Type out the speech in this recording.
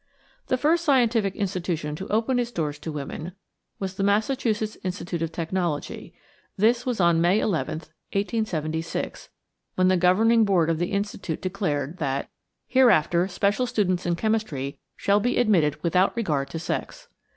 The first scientific institution to open its doors to women was the Massachusetts Institute of Technology. This was on May 11, 1876, when the governing board of the institute decided that "hereafter special students in chemistry shall be admitted without regard to sex."